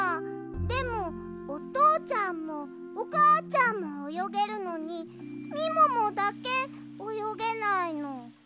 でもおとうちゃんもおかあちゃんもおよげるのにみももだけおよげないの。